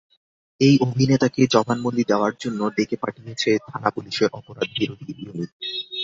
এই অভিনেতাকে জবানবন্দি দেওয়ার জন্য ডেকে পাঠিয়েছে থানা পুলিশের অপরাধবিরোধী ইউনিট।